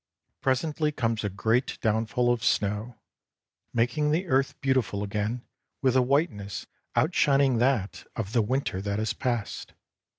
Presently comes a great downfall of snow, making the earth beautiful again with a whiteness outshining that of the winter that is past.